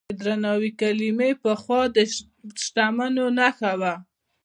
د درناوي کلمې پخوا د شتمنو نښه وه.